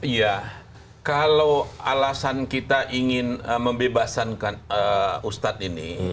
ya kalau alasan kita ingin membebasankan ustadz ini